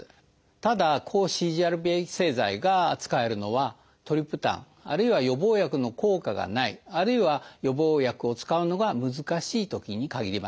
ただ抗ＣＧＲＰ製剤が使えるのはトリプタンあるいは予防薬の効果がないあるいは予防薬を使うのが難しいときに限ります。